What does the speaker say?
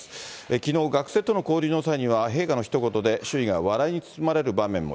きのう学生との交流の際には陛下のひと言で周囲が笑いに包まれる場面も。